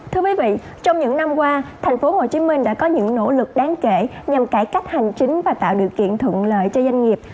thưa quý vị trong những năm qua tp hcm đã có những nỗ lực đáng kể nhằm cải cách hành chính và tạo điều kiện thuận lợi cho doanh nghiệp